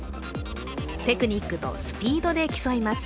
テクニックとスピードで競います。